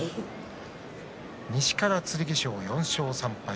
西から剣翔、４勝３敗